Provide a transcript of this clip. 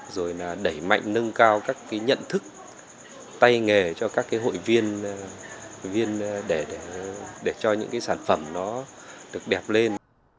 rồi là đẩy mạnh nâng cao các cái nhận thức tay nghề cho các cái hội viên để cho những cái sản phẩm nó được đẹp lên